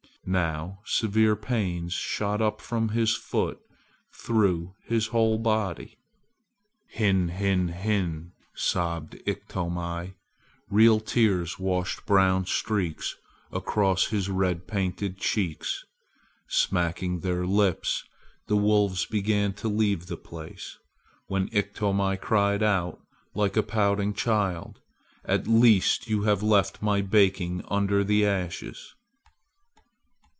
Now severe pains shot up from his foot through his whole body. "Hin hin hin!" sobbed Iktomi. Real tears washed brown streaks across his red painted cheeks. Smacking their lips, the wolves began to leave the place, when Iktomi cried out like a pouting child, "At least you have left my baking under the ashes!"